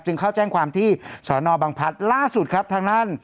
เข้าแจ้งความที่สอนอบังพัฒน์ล่าสุดครับทางด้าน